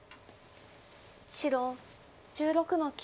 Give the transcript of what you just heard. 白１６の九。